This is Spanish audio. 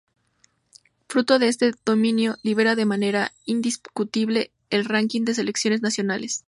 Fruto de este dominio, lidera de manera indiscutible el ranking de selecciones nacionales.